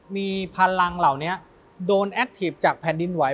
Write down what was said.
มีพลังเหล่านี้โดนแอคทีฟจากแผ่นดินไหว